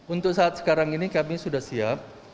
untuk saat sekarang ini kami sudah siap